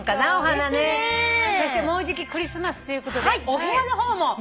もうじきクリスマスということでお部屋の方も。